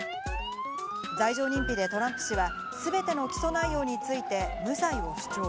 罪状認否でトランプ氏はすべての起訴内容について無罪を主張。